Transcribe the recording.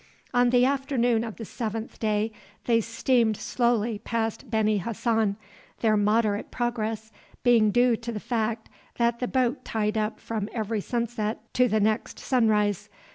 On the afternoon of the seventh day they steamed slowly past Beni Hassan, their moderate progress being due to the fact that the boat tied up from every sunset to the next sunrise.